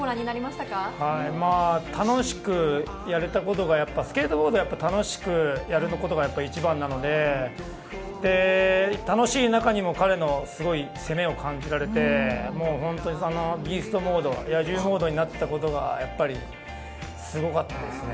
楽しくやれたことが、スケートボードはやっぱり楽しくやることが一番なので、楽しい中にも、彼のすごい攻めを感じられて、ビーストモード、野獣モードになっていたことが、すごかったですね。